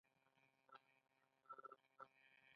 ساحلي ښارونه په دې مکلف شول.